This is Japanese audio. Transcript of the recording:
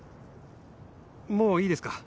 もういいですか？